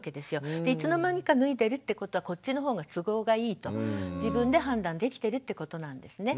いつの間にか脱いでるってことはこっちの方が都合がいいと自分で判断できてるってことなんですね。